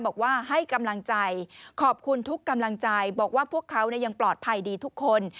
บอกว่าให้กำลังใจขอบคุณทุกกำลังใจบอกว่าพวกเขายังปลอดภัยดีทุกคน